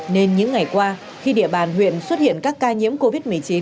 nên những ngày qua khi địa bàn huyện xuất hiện các ca nhiễm covid một mươi chín